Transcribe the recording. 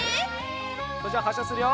それじゃあはっしゃするよ！